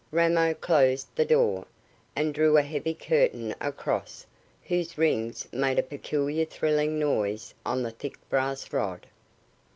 Ramo closed the door, and drew a heavy curtain across, whose rings made a peculiar thrilling noise on the thick brass rod.